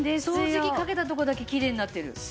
掃除機かけたとこだけきれいになってる。